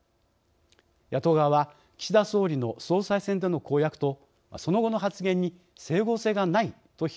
野党側は岸田総理の総裁選での公約とその後の発言に整合性がないと批判しています。